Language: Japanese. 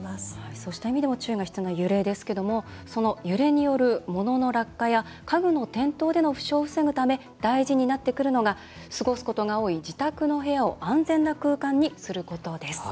そうした意味でも注意が必要な揺れですが揺れによる物の落下や家具の転倒での負傷を防ぐため大事になってくるのが過ごすことが多い自宅の部屋を安全な空間にすることです。